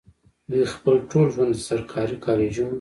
دوي خپل ټول ژوند د سرکاري کالجونو